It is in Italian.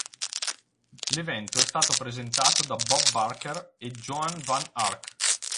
L'evento è stato presentato da Bob Barker e Joan Van Ark.